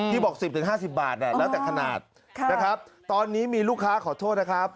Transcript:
บอก๑๐๕๐บาทแล้วแต่ขนาดนะครับตอนนี้มีลูกค้าขอโทษนะครับ